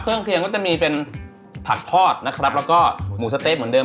เครื่องเคียงก็จะมีเป็นผักทอดนะครับแล้วก็หมูสะเต๊ะเหมือนเดิ